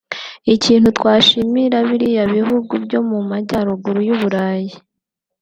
“Ikintu twashimira biriya bihugu byo mu majyaruguru y’Uburayi